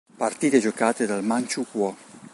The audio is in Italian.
Partite giocate dal Manciukuò.